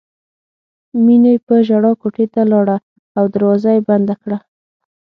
مینې په ژړا کوټې ته لاړه او دروازه یې بنده کړه